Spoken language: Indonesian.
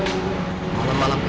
kayaknya ke rumah tante gue